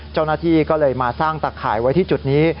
เจ้าหน้าที่ก็เลยมาสร้างตะข่ายไว้ที่จุดนี้